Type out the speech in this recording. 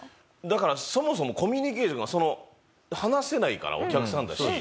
だからそもそもコミュニケーション話せないからお客さんだし。